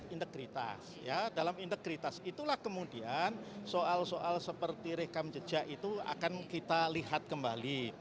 integritas ya dalam integritas itulah kemudian soal soal seperti rekam jejak itu akan kita lihat kembali